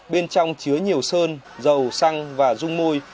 bên trong chứa nhiều sơn dầu xăng và rung môi